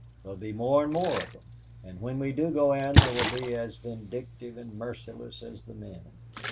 There'll be more and more of them, and when we do go in they will be as vindictive and merciless as the men."